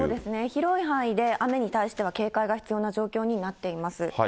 広い範囲で雨に対しては警戒が必要な状況にはなっています。